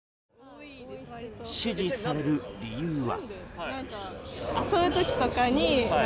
支持される理由は。